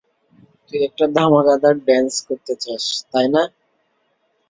তুই একটা ধামাকা ধার ডান্স করতে চাস, তাই না?